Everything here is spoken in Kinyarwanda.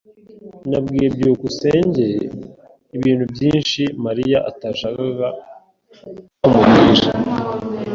Nabwiye byukusenge ibintu byinshi Mariya atashakaga ko mubwira.